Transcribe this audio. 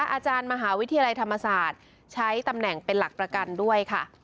อาจารย์มหาวิทยาลัยธรรมศาสตร์ใช้ตำแหน่งเป็นหลักประกันด้วยค่ะ